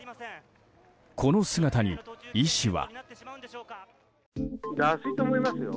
この姿に医師は。